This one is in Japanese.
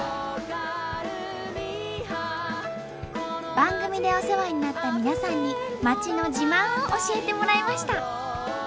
番組でお世話になった皆さんに町の自慢を教えてもらいました！